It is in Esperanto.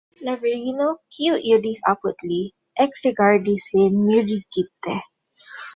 La virino, kiu iris apud li, ekrigardis lin mirigite.